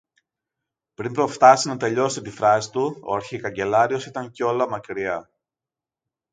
Πριν προφθάσει να τελειώσει τη φράση του, ο αρχικαγκελάριος ήταν κιόλα μακριά.